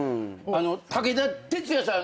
武田鉄矢さん